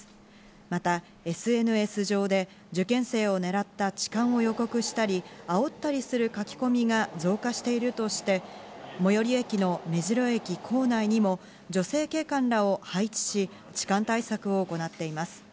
またＳＮＳ上で受験生をねらった時間を予告したり、煽ったりする書き込みが増加しているとして、最寄駅の目白駅構内にも女性警官らを配置し、痴漢対策を行っています。